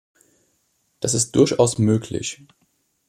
Das ist durchaus möglich.